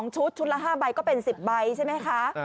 ชุดชุดละ๕ใบก็เป็น๑๐ใบใช่ไหมคะ